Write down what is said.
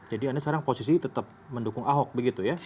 jadi anda sekarang posisi tetap mendukung aho begitu ya